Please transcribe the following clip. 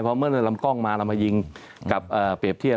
เพราะเมื่อนั้นเรามี่ย์ต้องมาเรามายิงกับเปรียบเที่ยว